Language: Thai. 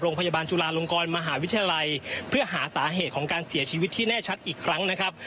โรงพยาบาลจุฬาลงกรมหาวิทยาลัยเพื่อหาสาเหตุของการเสียชีวิตที่แน่ชัดอีกครั้งนะครับ